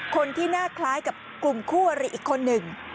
คนที่หน้าคล้ายกับกลุ่มคู่อริอีกคนหนึ่ง